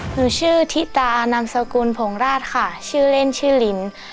หนูชื่อทิตานามสกุลผงราชค่ะชื่อเล่นชื่อลิน